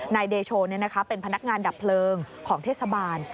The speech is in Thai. นายเดโชเป็นพนักงานดับเพลิงของเทศบาล